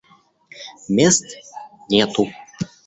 Мест нету.